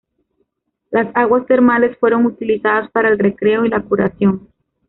Las aguas termales fueron utilizadas para el recreo y la curación.